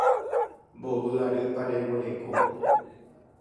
Mbovy arýpa reguereko.